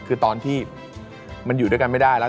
คือตอนที่มันอยู่ด้วยกันไม่ได้แล้ว